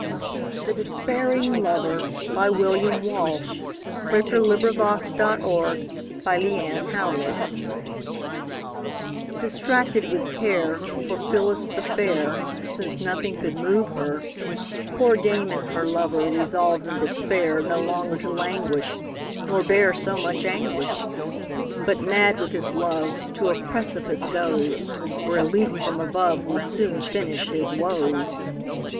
ir, But not another's hope. William Walsh The Despairing Lover DISTRACTED with care, For Phillis the fair, Since nothing could move her, Poor Damon, her lover, Resolves in despair No longer to languish, Nor bear so much anguish; But, mad with his love, To a precipice goes; Where a leap from above Would soon finish his woes.